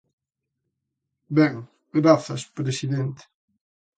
Ben, grazas, presidente.